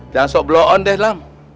jangan soblon deh lam